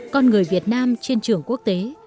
con người việt nam trên trường quốc tế